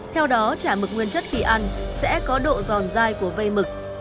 theo đó chả mực nguyên chất khi ăn sẽ có độ giòn dai của vây mực